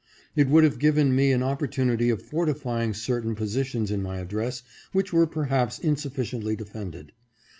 It would have given me an opportunity of fortifying certain positions in my address which were perhaps insufficiently defended.